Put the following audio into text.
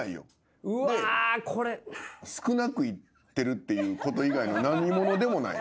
少なく言ってるっていうこと以外の何物でもない。